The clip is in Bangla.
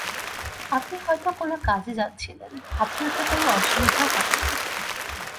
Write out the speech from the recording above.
আপনি হয়তো কোনো কাজে যাচ্ছিলেন– আপনার তো কোনো অসুবিধে হয় নি?